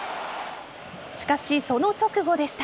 しかし、その直後でした。